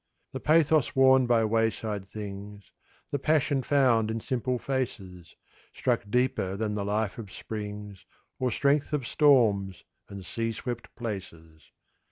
The pathos worn by wayside things, The passion found in simple faces, Struck deeper than the life of springs Or strength of storms and sea swept places.